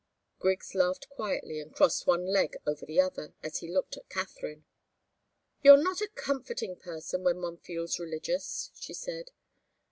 Griggs laughed quietly and crossed one leg over the other, as he looked at Katharine. "You're not a comforting person when one feels religious," she said.